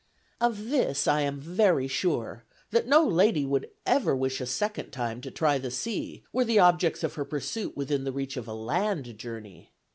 "Of this I am very sure, that no lady would ever wish a second time to try the sea, were the objects of her pursuit within the reach of a land journey.